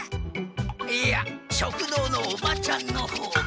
いや食堂のおばちゃんの方が。